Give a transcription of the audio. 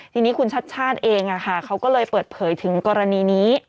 ทีนี้คุณชัดชาติเองเขาก็เลยเปิดเผยถึงกรณีนี้